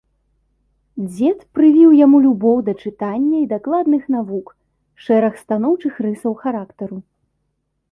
Дзед прывіў яму любоў да чытання і дакладных навук, шэраг станоўчых рысаў характару.